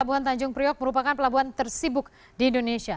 pelabuhan tanjung priok merupakan pelabuhan tersibuk di indonesia